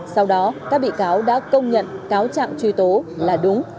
sau đó các bị cáo đã công nhận cáo trạng truy tố là đúng